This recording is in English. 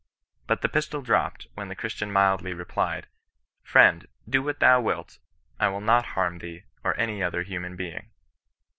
Bat the pistol dropped, when the Christian mildly replied, '* Friend, do what thou wilt, I will not harm thee, or any other human being."